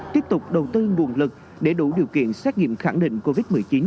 tiếp tục đầu tư nguồn lực để đủ điều kiện xét nghiệm khẳng định covid một mươi chín